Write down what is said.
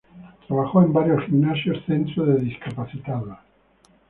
Trabajó en varios gimnasios, centros de discapacitados.